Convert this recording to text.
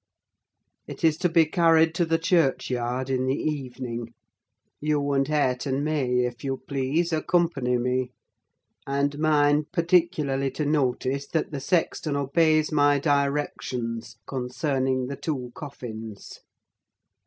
It is to be carried to the churchyard in the evening. You and Hareton may, if you please, accompany me: and mind, particularly, to notice that the sexton obeys my directions concerning the two coffins!